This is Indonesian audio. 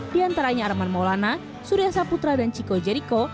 diantaranya arman maulana suria saputra dan ciko jeriko